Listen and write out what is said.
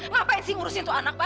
ngapain sih ngurusin tuh anak pak